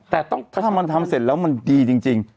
แต่ถ้ามันทำเสร็จแล้วมันดีจริง